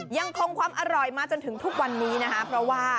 ยังคงความอร่อยมาจนถึงทุกวันนี้นะคะ